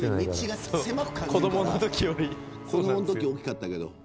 子どものときは大きかったけど。